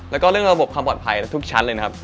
แล้วก็เรื่องระบบความปลอดภัยทุกชั้นเลยนะครับ